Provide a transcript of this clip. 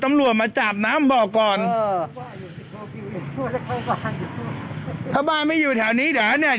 ตำรวจมาจับน้ำบอกก่อนถ้าบ้านไม่อยู่แถวนี้เดี๋ยวเนี้ย